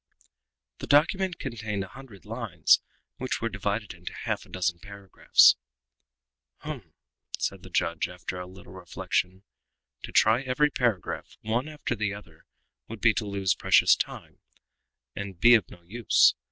The document contained a hundred lines, which were divided into half a dozen paragraphs. "Hum!" said the judge, after a little reflection; "to try every paragraph, one after the other, would be to lose precious time, and be of no use.